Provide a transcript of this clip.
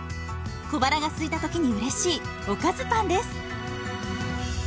小腹がすいた時にうれしいおかずパンです。